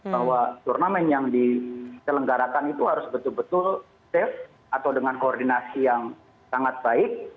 jadi kita harus berpikir bahwa turnamen yang dikelenggarakan itu harus betul betul safe atau dengan koordinasi yang sangat baik